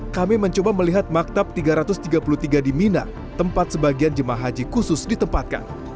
kami mencoba melihat maktab tiga ratus tiga puluh tiga di mina tempat sebagian jemaah haji khusus ditempatkan